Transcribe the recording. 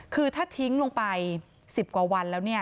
คือถ้าทิ้งลงไป๑๐กว่าวันแล้ว